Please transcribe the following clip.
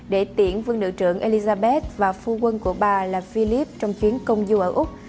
để tiễn vương đội trưởng elizabeth và phu quân của bà là philip trong chuyến công du ở úc